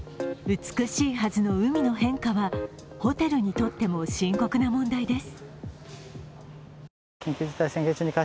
美しいはずの海の変化はホテルにとっても深刻な問題です。